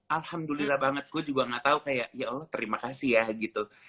alhamdulillah banget gue juga gak tau kayak ya allah terima kasih ya gitu